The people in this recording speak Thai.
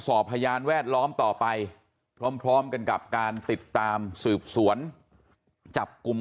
พยานแวดล้อมต่อไปพร้อมกันกับการติดตามสืบสวนจับกลุ่ม